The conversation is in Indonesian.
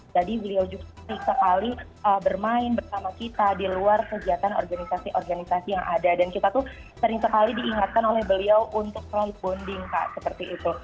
jadi beliau juga sekali bermain bersama kita di luar kegiatan organisasi organisasi yang ada dan kita tuh sering sekali diingatkan oleh beliau untuk selalu bonding kak seperti itu